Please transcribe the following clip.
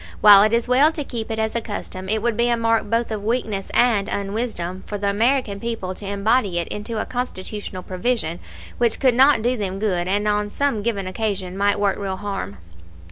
While it is well to keep it as a custom, it would be a mark both of weakness and unwisdom for the American people to embody it into a Constitutional provision which could not do them good and on some given occasion might work real harm.